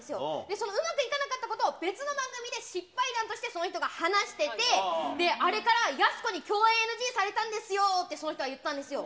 そのうまくいかなかったことを別の番組で失敗談としてその人が話してて、あれからやす子に共演ＮＧされたんですよって、その人は言ったんですよ。